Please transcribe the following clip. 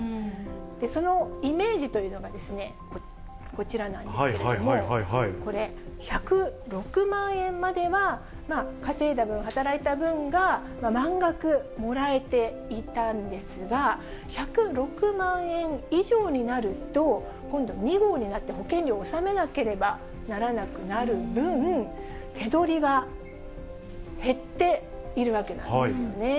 そのイメージというのがこちらなんですけれども、これ、１０６万円までは稼いだ分、働いた分が満額もらえていたんですが、１０６万円以上になると、今度、２号になって、保険料を納めなければならなくなる分、手取りが減っているわけなんですね。